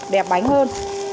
đẹp bánh hơn